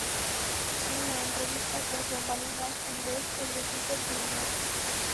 En una entrevista tras bambalinas en Best of the Super Jr.